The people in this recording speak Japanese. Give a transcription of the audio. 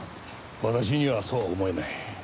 私にはそうは思えない。